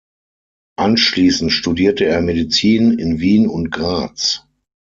Anschließend studierte er Medizin in Wien und Graz.